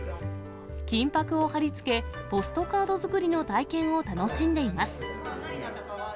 金ぱくを貼り付け、ポストカード作りの体験を楽しんでいます。